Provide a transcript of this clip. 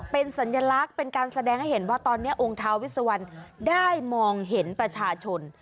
เป็นสัญลักษณ์เป็นการแสดงให้เห็นว่าตอนนี้องค์ท้าวิสวันได้มองเห็นประชาชน